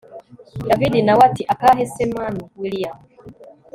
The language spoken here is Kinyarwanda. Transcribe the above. david nawe ati akahe se mn willia